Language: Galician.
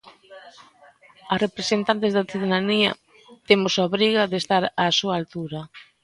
As representantes da cidadanía temos a obriga de estar á súa altura.